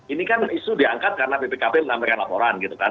ini kan isu diangkat karena bpkp menampilkan laporan gitu kan